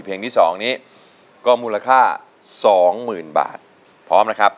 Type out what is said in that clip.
เพลงที่๒นี้ก็มูลค่าสองหมื่นบาทพร้อมนะครับ